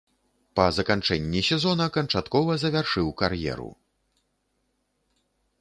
Па заканчэнні сезона канчаткова завяршыў кар'еру.